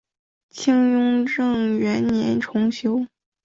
清雍正元年重修。